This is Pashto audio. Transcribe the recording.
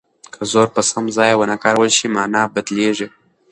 که زور په سم ځای ونه کارول شي مانا بدلیږي.